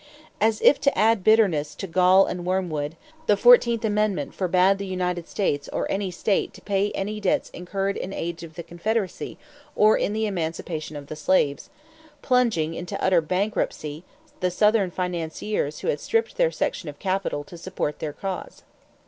As if to add bitterness to gall and wormwood, the fourteenth amendment forbade the United States or any state to pay any debts incurred in aid of the Confederacy or in the emancipation of the slaves plunging into utter bankruptcy the Southern financiers who had stripped their section of capital to support their cause.